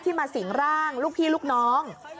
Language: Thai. มาสิงร่างลูกพี่ลูกน้อง